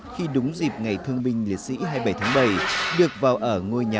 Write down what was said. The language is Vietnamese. khi đúng dịp ngày thương binh liệt sĩ hai mươi bảy tháng bảy được vào ở ngôi nhà